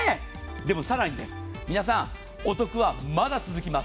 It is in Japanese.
でも、更に皆さんお得はまだ続きます。